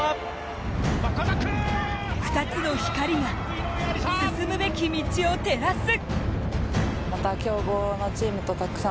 ２つの光が進むべき道を照らす。